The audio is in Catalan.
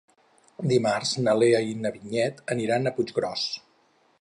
Dimarts na Lea i na Vinyet aniran a Puiggròs.